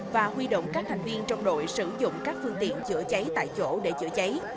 và huy động các thành viên trong đội sử dụng các phương tiện chữa cháy tại chỗ để chữa cháy